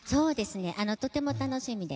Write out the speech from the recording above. とても楽しみで。